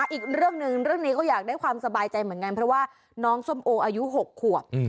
อีกเรื่องหนึ่งเรื่องนี้ก็อยากได้ความสบายใจเหมือนกันเพราะว่าน้องส้มโออายุ๖ขวบ